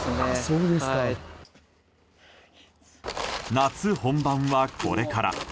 夏本番はこれから。